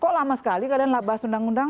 kok lama sekali kalian bahas undang undang